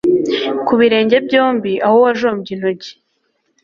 ku birenge byombi aho wajombye intoki